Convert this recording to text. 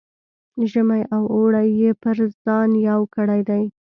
ژمی او اوړی یې پر ځان یو کړی دی.